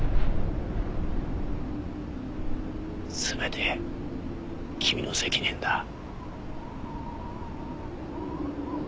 全て君の責任だ。